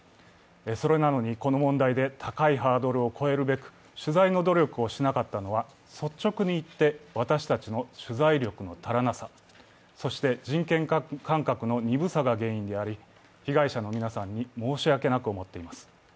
それなのに、この問題で高いハードルを越えるべく取材の努力をしなかったのは、率直に言って私たちの取材力の足りなさ、そして、人権感覚の鈍さが原因であり、被害者の皆さんに申し訳なく思っています。